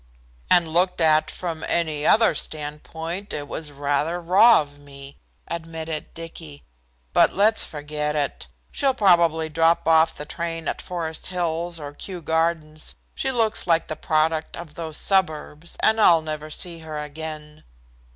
"And looked at from any other standpoint it was rather raw of me," admitted Dicky. "But let's forget it. She'll probably drop off the train at Forest Hills or Kew Gardens, she looks like the product of those suburbs, and I'll never see her again."